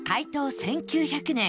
１９００年